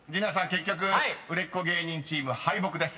結局売れっ子芸人チーム敗北です］